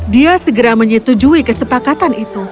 dia segera menyetujui kesepakatan itu